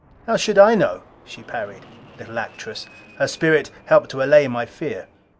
"How should I know?" she parried. Little actress! Her spirit helped to allay my fear.